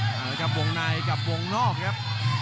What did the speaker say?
ดีครับวงในกับวงนอกครับ